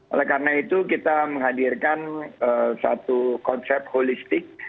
oleh karena itu kita menghadirkan satu konsep holistik